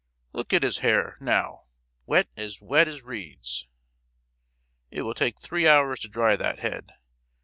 Look at his hair—now: wet, as wet as reeds! it will take three hours to dry that head!